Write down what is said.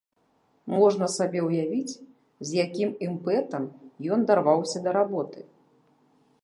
Можна сабе ўявіць, з якім імпэтам ён дарваўся да работы!